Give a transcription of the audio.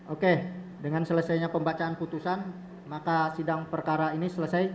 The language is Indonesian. oke dengan selesainya pembacaan putusan maka sidang perkara ini selesai